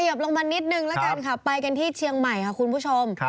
อะเขยิบลงมันนิดหนึ่งไปกันที่เชียงใหม่ค่ะคุณผู้ชม